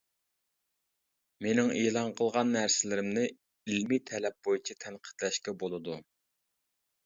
مېنىڭ ئېلان قىلغان نەرسىلىرىمنى ئىلمىي تەلەپ بويىچە تەنقىدلەشكە بولىدۇ.